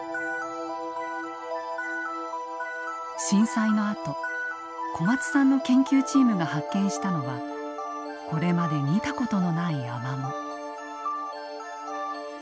震災のあと小松さんの研究チームが発見したのはこれまで見たことのないアマモ。